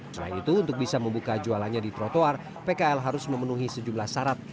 selain itu untuk bisa membuka jualannya di trotoar pkl harus memenuhi sejumlah syarat